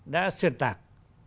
đã xuyên tạc